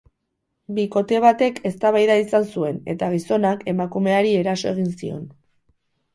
Bikote batek eztabaida izan zuen, eta gizonak emakumeari eraso egin zion.